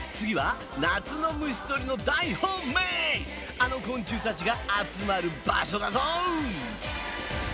あの昆虫たちが集まる場所だぞ！